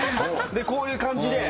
こういう感じで。